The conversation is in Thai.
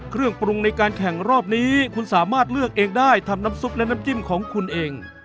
เครื่องปรุงในการแข่งรอบนี้คุณสามารถเลือกเองได้ทำน้ำซุปและน้ำจิ้มของคุณเอง